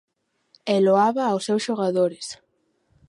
E loaba aos seus xogadores.